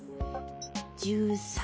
１３？